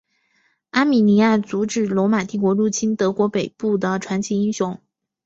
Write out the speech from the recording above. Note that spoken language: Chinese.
阿米尼亚阻止罗马帝国入侵德国北部的传奇英雄。